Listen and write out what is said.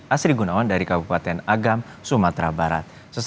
asri gunawan dari kabupaten agam sumatera barat